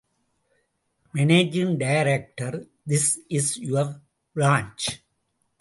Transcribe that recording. Managing director, this is your branch.